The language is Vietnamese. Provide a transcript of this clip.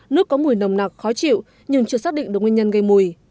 nước có mùi nồng nặc khó chịu nhưng chưa xác định được nguyên nhân gây mùi